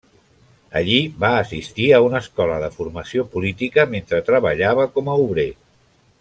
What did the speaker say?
Allí va assistir a una escola de formació política, mentre treballava com a obrer.